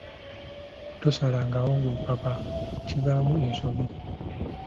Tosalangawo ng’opapa, kivaamu ensobi.